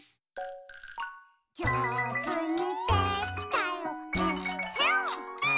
「じょうずにできたよえっへん」